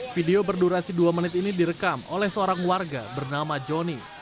video berdurasi dua menit ini direkam oleh seorang warga bernama johnny